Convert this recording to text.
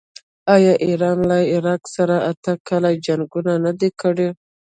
آیا ایران له عراق سره اته کاله جنګ نه دی کړی؟